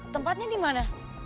tempatnya di mana